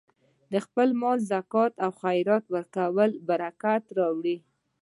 د خپل مال زکات او خیرات ورکول برکت راوړي.